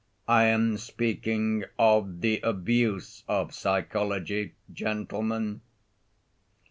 I am speaking of the abuse of psychology, gentlemen."